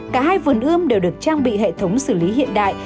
cả hai vườn ươm đều được trang bị hệ thống xử lý hiện đại